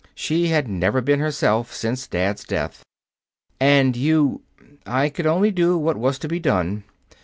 She had never been herself since Dad's death." "And you " "I could only do what was to be done.